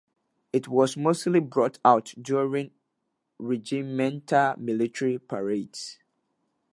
It was mostly brought out during regimental military parades.